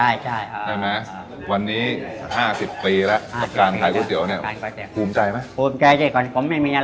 อันนี้เราจะขายของข้างในไว้พัก